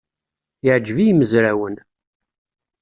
Yeɛjeb i yimezrawen.